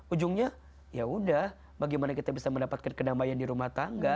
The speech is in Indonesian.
ujungnya ya udah bagaimana kita bisa mendapatkan kedamaian di rumah tangga